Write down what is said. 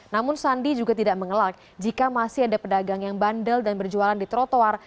namun sandi juga tidak mengelak jika masih ada pedagang yang bandel dan berjualan di trotoar